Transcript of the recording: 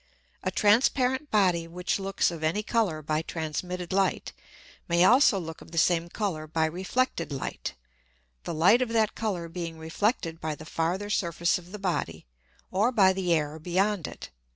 A transparent Body which looks of any Colour by transmitted Light, may also look of the same Colour by reflected Light, the Light of that Colour being reflected by the farther Surface of the Body, or by the Air beyond it.